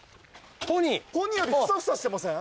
ポニーよりフサフサしてません？